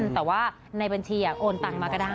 แต่ว่าในบัญชีโอนตังค์มาก็ได้